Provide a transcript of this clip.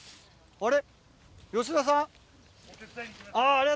あれ？